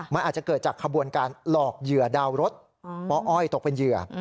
มันอาจจะเกิดจากขบวนการหลอกเหยื่อดาวรถปอ้อยตกเป็นเหยื่อ